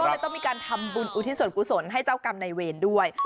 ก็เลยต้องมีการทำบุญอุทิศส่วนกุศลให้เจ้ากรรมในเวรด้วย